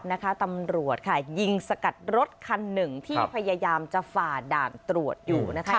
นะคะตำรวจค่ะยิงสกัดรถคันหนึ่งที่พยายามจะฝ่าด่านตรวจอยู่นะคะ